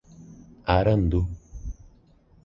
Arandu